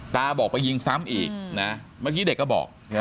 ตาบอกไปยิงซ้ำอีกนะเมื่อกี้เด็กก็บอก